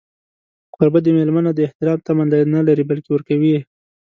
کوربه د مېلمه نه د احترام تمه نه لري، بلکې ورکوي.